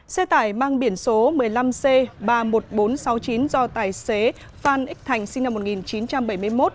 xe tải mang biển số một mươi năm c ba mươi một nghìn bốn trăm sáu mươi chín do tài xế phan ích thành sinh năm một nghìn chín trăm bảy mươi một